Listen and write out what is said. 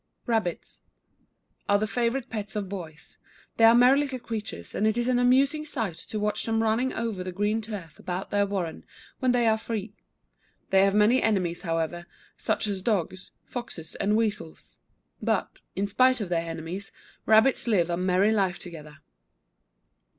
RABBITS. Are the favourite pets of boys. They are merry little creatures, and it is an amusing sight to watch them running over the green turf about their warren, when they are free. They have many enemies, however, such as dogs, foxes, and weasels. But, in spite of their enemies, rabbits live a merry life together.